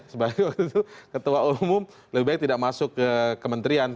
sebagai waktu itu ketua umum lebih baik tidak masuk ke kementerian